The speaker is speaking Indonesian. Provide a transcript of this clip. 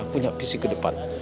punya visi ke depan